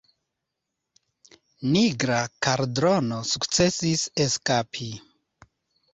Nigra Kaldrono sukcesis eskapi.